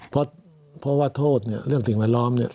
เพราะว่าโทษเรื่องสิ่งอารอม